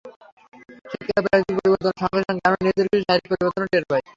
শীতকালে প্রকৃতির পরিবর্তনের সঙ্গে সঙ্গে আমরা নিজেদের কিছু শারীরিক পরিবর্তনও টের পাই।